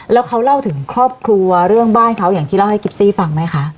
แล้วเขาเล่าถึงครอบครัวเรื่องบ้านเขาอย่างที่เล่าให้กิฟซี่ฟังไหมคะ